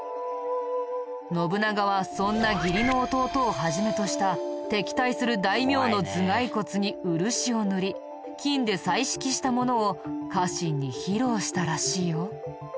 信長はそんな義理の弟を始めとした敵対する大名の頭蓋骨に漆を塗り金で彩色したものを家臣に披露したらしいよ。